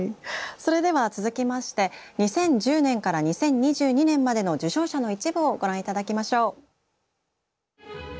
それでは続きまして２０１０年から２０２２年までの受賞者の一部をご覧頂きましょう。